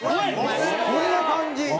こんな感じ。